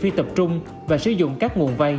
phi tập trung và sử dụng các nguồn vay